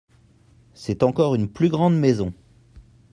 C'est encore une plus grande maison !